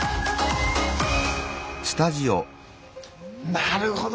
なるほど。